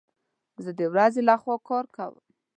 زه د ورځي لخوا کار کوم